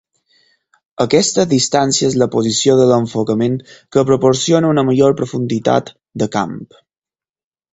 Aquesta distància és la posició de l'enfocament que proporciona una major profunditat de camp.